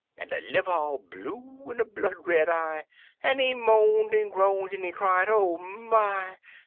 An' a iiver all blue, an' a blood red eye; An' he moaned an' groaned, an' he cried, "Oh, my!"